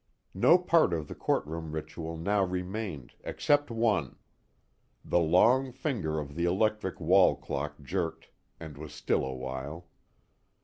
No part of the courtroom ritual now remained except one. The long finger of the electric wall clock jerked, and was still a while.